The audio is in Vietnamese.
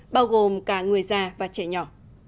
bao gồm cả người già và trẻ nhỏ